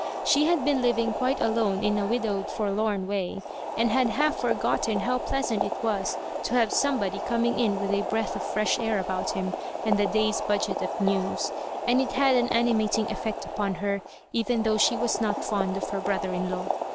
She had been living quite alone in a widowed forlorn way, and had half forgotten how pleasant it was to have somebody coming in with a breath of fresh air about him and the day's budget of news — ^and it had an animating effect upon her, even though she was not 6>nd of her brother in law.